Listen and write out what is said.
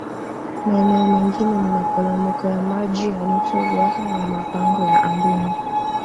Maeneo mengine ni maporomoko ya Maji ya Mto Ruaha na Mapango ya Amboni